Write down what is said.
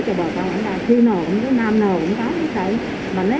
các bộ chiến sĩ công phường trực hoàn toàn là một trăm linh